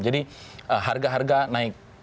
jadi harga harga naik